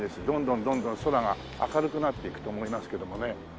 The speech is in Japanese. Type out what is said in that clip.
どんどんどんどん空が明るくなっていくと思いますけどもね。